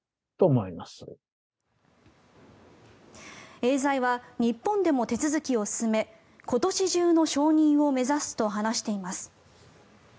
エーザイは日本でも手続きを進め今年中の承認を目指すと話しています。